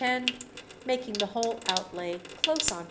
_, making the whole outlay close on £50.